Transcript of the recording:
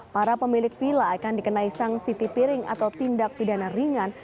para pemilik vila akan dikenai sanksi tipiring atau tindak pidana ringan